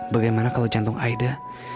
bagaimana kalau jantung aida